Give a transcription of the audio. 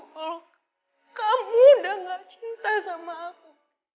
oh kamu udah gak cinta sama aku